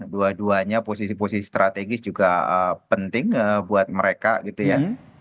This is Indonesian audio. dua duanya posisi posisi strategis juga penting buat mereka gitu ya